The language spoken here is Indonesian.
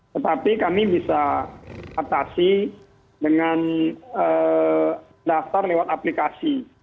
tetapi kami bisa atasi dengan daftar lewat aplikasi